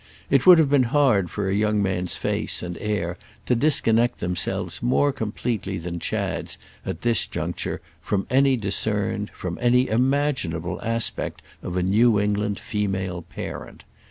It would have been hard for a young man's face and air to disconnect themselves more completely than Chad's at this juncture from any discerned, from any imaginable aspect of a New England female parent.